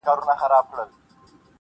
له دې رازه مي خبر که دیار زړه خو,